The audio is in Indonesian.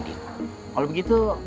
sama sama kita berjalan